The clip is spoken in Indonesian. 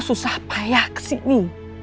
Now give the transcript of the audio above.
susah payah kesini